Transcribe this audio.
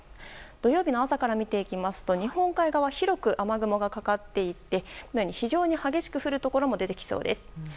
土曜日の朝から見ていきますと日本海側は広く雨雲がかかっていて非常に激しく降るところも出てきそうです。